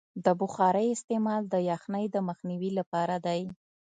د بخارۍ استعمال د یخنۍ د مخنیوي لپاره دی.